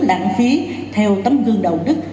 lãng phí theo tấm gương đạo đức